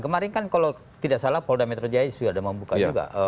kemarin kan kalau tidak salah polda metro jaya sudah membuka juga